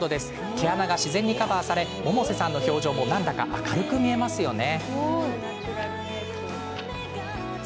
毛穴が自然にカバーされ百瀬さんの表情もなんだか明るく見えますよね。